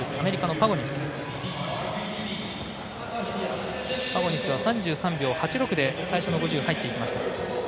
パゴニスは３３秒８６で最初の５０入っていきました。